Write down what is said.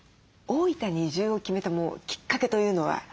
大分に移住を決めたきっかけというのは？